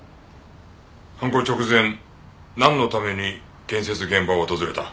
犯行直前なんのために建設現場を訪れた？